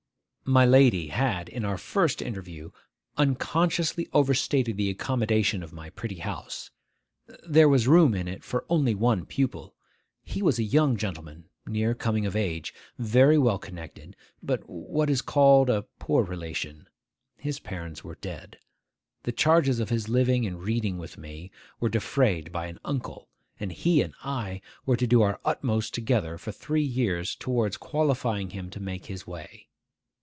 My lady had, in our first interview, unconsciously overstated the accommodation of my pretty house. There was room in it for only one pupil. He was a young gentleman near coming of age, very well connected, but what is called a poor relation. His parents were dead. The charges of his living and reading with me were defrayed by an uncle; and he and I were to do our utmost together for three years towards qualifying him to make his way.